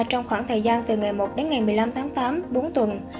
trong khoảng thời gian từ ngày một đến ngày một mươi năm tháng tám bốn tuần